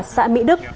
xã mỹ đức